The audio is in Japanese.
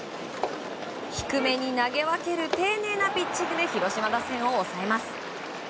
低めに投げ分ける丁寧なピッチングで広島打線を抑えます。